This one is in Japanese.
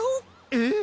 えっ！？